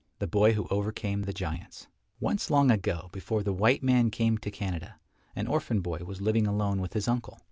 THE BOY WHO OVERCAME THE GIANTS Once long ago, before the white man came to Canada, an orphan boy was living alone with his uncle.